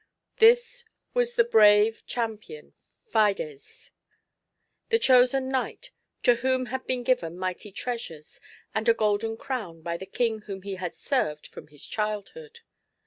This was the brave champion Fides, the chosen knight to whom had been given mighty treasures and a golden crown by the King whom he had sei'ved fi'om his child hood.